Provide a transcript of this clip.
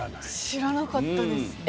知らなかったです。